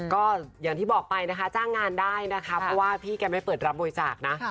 ก็อย่างที่บอกไปนะคะจ้างงานได้นะคะเพราะว่าพี่แกไม่เปิดรับบริจาคนะ